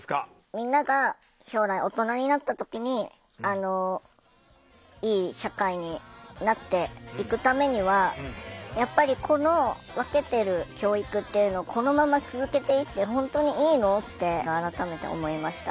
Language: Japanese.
みんなが将来大人になった時にいい社会になっていくためにはやっぱりこの分けてる教育っていうのをこのまま続けていって本当にいいの？って改めて思いました。